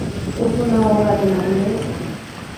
Es una obra de madurez.